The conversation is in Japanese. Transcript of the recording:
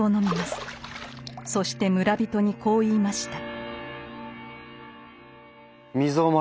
そして村人にこう言いました。